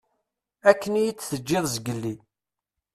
Akken iyi-teǧǧiḍ zgelli.